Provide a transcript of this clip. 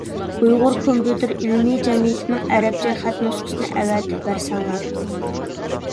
ئۇيغۇر كومپيۇتېر ئىلمى جەمئىيىتىنىڭ ئەرەبچە خەت نۇسخىسىنى ئەۋەتىپ بەرسەڭلار.